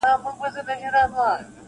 • چي پر ځان یې د مرګي د ښکاري وار سو -